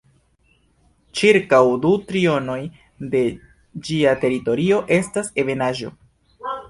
Ĉirkaŭ du trionoj de ĝia teritorio estas ebenaĵo.